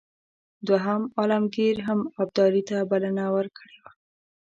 دوهم عالمګیر هم ابدالي ته بلنه ورکړې وه.